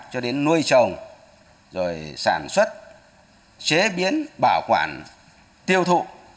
cho đến nuôi trồng rồi sản xuất chế biến bảo quản tiêu thụ